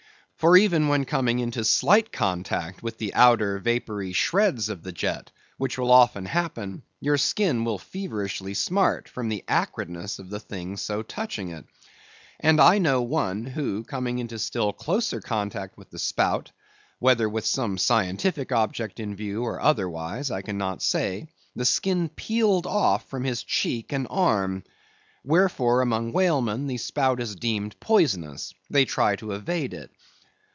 For even when coming into slight contact with the outer, vapory shreds of the jet, which will often happen, your skin will feverishly smart, from the acridness of the thing so touching it. And I know one, who coming into still closer contact with the spout, whether with some scientific object in view, or otherwise, I cannot say, the skin peeled off from his cheek and arm. Wherefore, among whalemen, the spout is deemed poisonous; they try to evade it.